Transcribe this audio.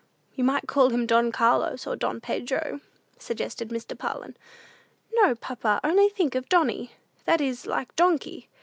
"You might call him Don Carlos, or Don Pedro," suggested Mr. Parlin. "No, papa; only think of Donny: that is like Donkey!